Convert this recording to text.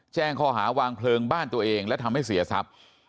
แจ้งข้อหาวางเพลิงบ้านตัวเองและทำให้เสียทรัพย์